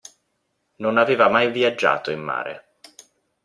Non aveva mai viaggiato in mare.